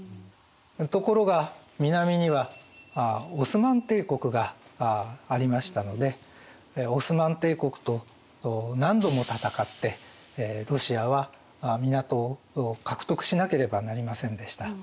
ところが南にはオスマン帝国がありましたのでオスマン帝国と何度も戦ってロシアは港を獲得しなければなりませんでした。